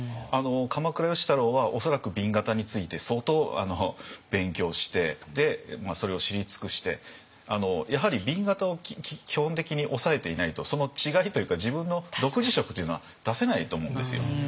鎌倉芳太郎は恐らく紅型について相当勉強してそれを知り尽くしてやはり紅型を基本的に押さえていないとその違いというか自分の独自色というのは出せないと思うんですよ。